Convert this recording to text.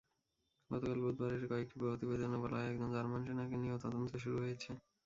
গতকাল বুধবারের কয়েকটি প্রতিবেদনে বলা হয়, একজন জার্মান সেনাকে নিয়েও তদন্ত শুরু হয়েছে।